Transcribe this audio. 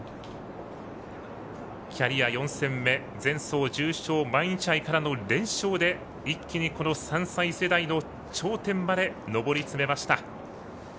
キャリア４戦目、前走、重賞毎日杯からの連勝で一気に３歳世代の頂点まで上り詰めました。